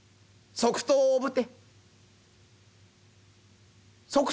「即答をぶて！」。